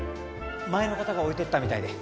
前の方が置いてったみたいで。